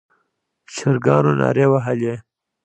چرګانو نارې وهلې.